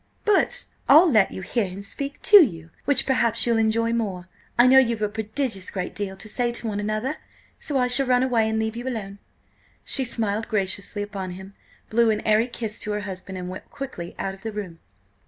But I'll let you hear him speak to you, which perhaps you'll enjoy more. I know you've a prodigious great deal to say to one another, so I shall run away and leave you alone." She smiled graciously upon him, blew an airy kiss to her husband and went quickly out of the room.